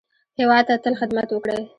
هېواد ته تل خدمت وکړئ